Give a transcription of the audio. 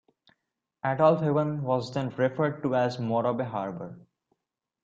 "Adolf Haven" was then referred to as Morobe Harbor.